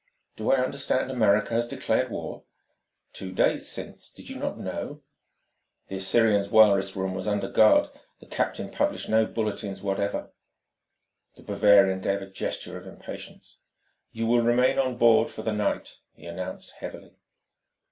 "Do I understand America has declared war?" "Two days since. Did you not know?" "The Assyrian's wireless room was under guard: the captain published no bulletins whatever." The Bavarian gave a gesture of impatience. "You will remain on board for the night," he announced heavily.